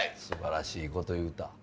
素晴らしいこと言うた。